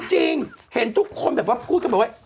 จริงเห็นทุกคนแบบว่าพูดกันบอกว่า